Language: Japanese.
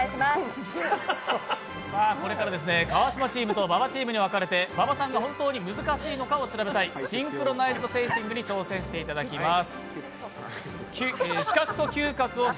これから川島チームと馬場チームに分かれて馬場さんが本当に難しいのか調べたいシンクロナイズドテイスティングに挑戦していただきます。